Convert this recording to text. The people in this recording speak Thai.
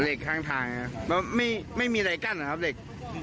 เหล็กข้างทางครับไม่มีอะไรกั้นเหรอครับเหล็ก